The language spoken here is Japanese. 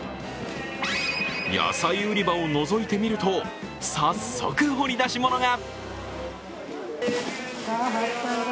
野菜売り場をのぞいてみると、早速掘り出し物が。